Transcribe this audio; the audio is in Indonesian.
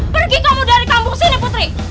pergi kamu dari kampung sini putri